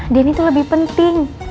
denny tuh lebih penting